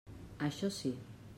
Això sí.